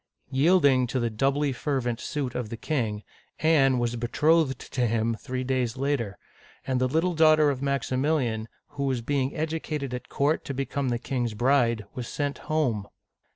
Yielding to the doubly fervent suit of the king, Anne was betrothed to him three days later, — and the little daughter of Maximilian, who was being educated at court to become the king's bride, was sent home